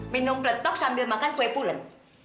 minum peletok sambil makan kue pulen